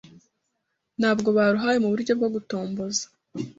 ntabwo baruhawe mu buryo bwo gutomboza